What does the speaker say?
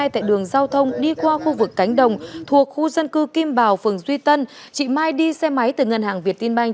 tại đường giao thông đi qua khu vực cánh đồng thuộc khu dân cư kim bào phường duy tân chị mai đi xe máy từ ngân hàng việt tiên banh